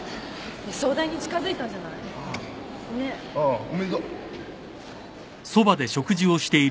総代に近づいたんじゃない？ねえ。ああおめでとう。